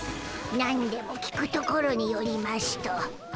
なんでも聞くところによりましゅと。